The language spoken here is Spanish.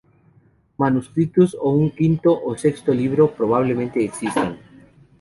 Manuscritos o un quinto o sexto libro probablemente existan.